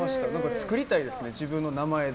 作りたいですね、自分の名前で。